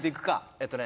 えっとね